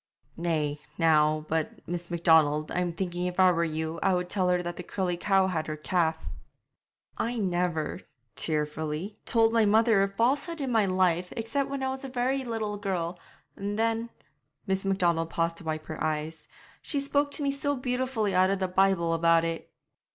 'Nay, now, but, Miss Macdonald, I'm thinking if I were you I would tell her that the curly cow had her calf.' 'I never' tearfully 'told my mother a falsehood in my life, except when I was a very little girl, and then' Miss Macdonald paused to wipe her eyes 'she spoke to me so beautifully out of the Bible about it.'